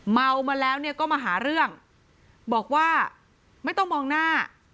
เมามาแล้วเนี่ยก็มาหาเรื่องบอกว่าไม่ต้องมองหน้า